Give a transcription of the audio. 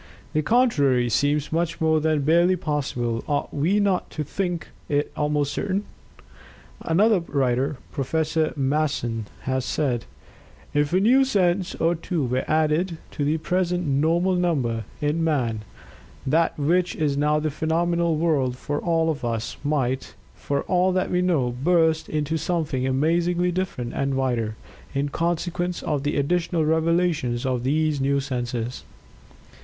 The contrary seems much more than barely possible; ought we not to think it almost certain?" Another writer. Prof. Masson, has said: "If a new sense or two were added to the present normal number, in man, that which is now the phenomenal world for all of us might, for all that we know, burst into something amazingly different and wider, in consequence of the additional revelations of these new senses."